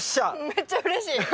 めっちゃうれしい。